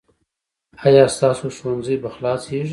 ایا ستاسو ښوونځی به خلاصیږي؟